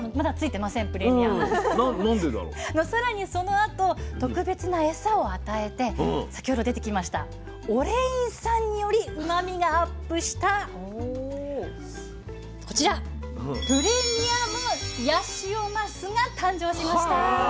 さらにそのあと特別なエサを与えて先ほど出てきましたオレイン酸によりうまみがアップしたこちらプレミアムヤシオマスが誕生しました。